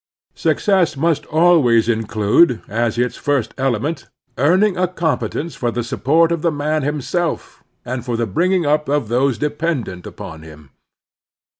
Success must always include, as its first element, earning a competence for the support of the man himself, and for the bringing up of those de pendent upon him.